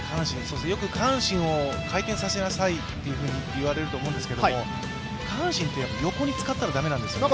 よく下半身を回転させなさいというふうに言われると思うんですけれども、下半身って横に使ったら駄目なんですよね。